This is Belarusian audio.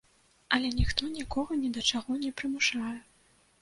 Але ніхто нікога не да чаго не прымушае.